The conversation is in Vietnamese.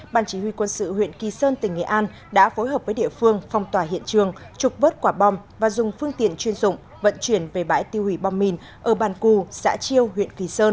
bàn chỉ huy quân sự huyện kỳ sơn tỉnh nghệ an đã phối hợp với địa phương phong tỏa hiện trường trục vớt quả bom và dùng phương tiện chuyên dụng vận chuyển về bãi tiêu hủy bom mìn ở bàn cù xã chiêu huyện kỳ sơn